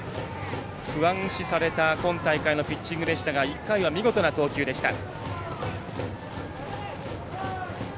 不安視された今大会のピッチングでしたが１回は見事な投球でした。